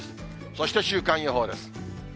そして週間予報です。